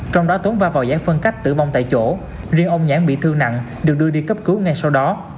trong đó tốn va vào giải phân cách tử vong tại chỗ riêng ông nhãn bị thương nặng được đưa đi cấp cứu ngay sau đó